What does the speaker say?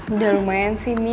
udah lumayan sih mami